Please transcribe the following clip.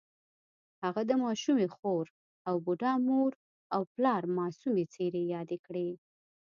هغه د ماشومې خور او بوډا مور او پلار معصومې څېرې یادې کړې